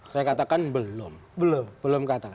saya katakan belum